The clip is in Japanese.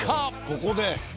ここで。